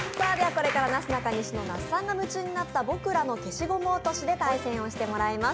これからなすなかにしの那須さんが夢中になった「ボクらの消しゴム落とし」で対戦していただきます。